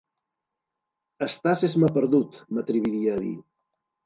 Estàs esmaperdut, m'atreviria a dir!